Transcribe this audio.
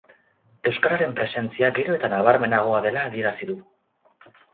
Euskararen presentzia gero eta nabarmenagoa dela adierazi du.